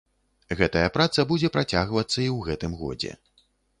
Гэтая праца будзе працягвацца і ў гэтым годзе.